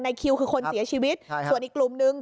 คิวคือคนเสียชีวิตส่วนอีกกลุ่มนึง